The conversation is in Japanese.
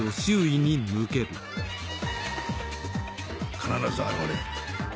必ず現れる。